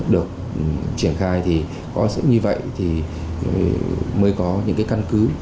được triển khai thì có như vậy mới có những căn cứ